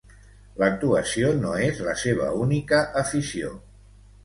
L'actuació no és la seva única afició.